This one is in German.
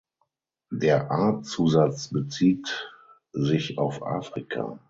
Der Artzusatz bezieht sich auf Afrika.